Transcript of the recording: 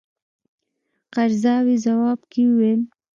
قرضاوي ځواب کې وویل.